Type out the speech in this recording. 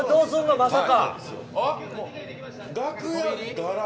まさか。